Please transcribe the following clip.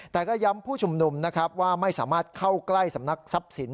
แต่ก็ย้ำผู้ชุมนุมนะครับว่าไม่สามารถเข้าใกล้สำนักทรัพย์สิน